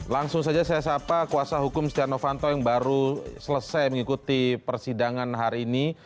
langsung saja saya sapa kuasa hukum setia novanto yang baru selesai mengikuti persidangan hari ini